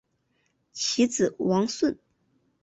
其子王舜。